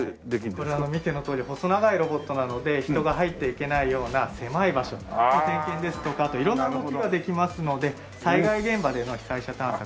これ見てのとおり細長いロボットなので人が入って行けないような狭い場所の点検ですとかあと色んな動きができますので災害現場での被災者探索等に。